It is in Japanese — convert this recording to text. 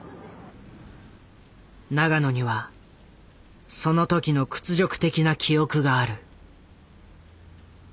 永野にはその時の屈辱的な記憶がある。